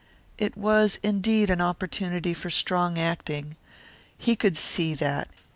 It was indeed an opportunity for strong acting. He could see that.